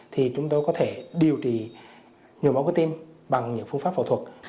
thì chúng tôi có thể điều trị nhiều máu cơ tim bằng những phương pháp phẫu thuật